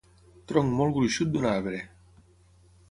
Tronc molt gruixut d'un arbre.